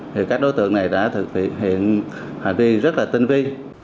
thì các đối tượng này đã thực hiện hành vi rất là tinh vi